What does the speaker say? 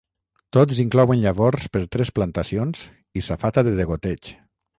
Tots inclouen llavors per tres plantacions i safata de degoteig.